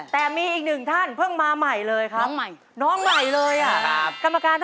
แต่มีอีก๑ท่านเพิ่งมาใหม่เลยครับ